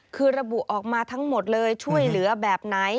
คือระบุออกมาทั้งหมดเลยช่วยเหลือแบบไหน